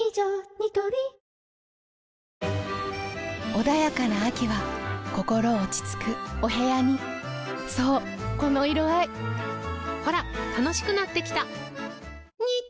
ニトリ穏やかな秋は心落ち着くお部屋にそうこの色合いほら楽しくなってきた！